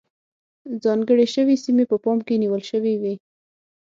ځانګړې شوې سیمې په پام کې نیول شوې وې.